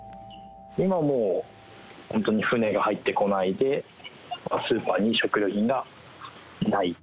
今も本当に船が入ってこないので、スーパーに食料品がない。